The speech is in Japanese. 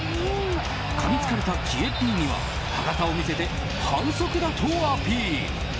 かみつかれたキエッリーニは歯形を見せて反則だとアピール。